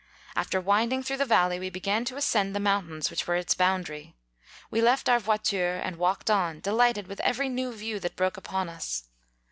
After winding through the valley, we began to ascend the mountains which were its boun dary: we left our voiture^ and walked on, delighted with every new view that broke upon us.